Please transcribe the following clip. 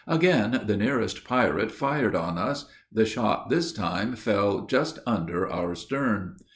Again the nearest pirate fired on us. The shot this time fell just under our stern.